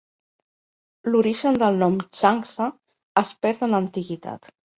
L'origen del nom "Changsha" es perd en l'antiguitat.